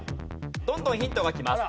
どんどんヒントがきます。